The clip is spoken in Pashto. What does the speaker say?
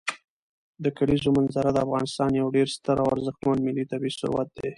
د کلیزو منظره د افغانستان یو ډېر ستر او ارزښتمن ملي طبعي ثروت دی.